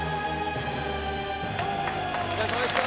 お疲れさまでした！